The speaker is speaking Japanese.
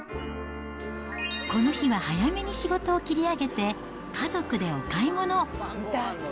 この日は早めに仕事を切り上げて、家族でお買い物。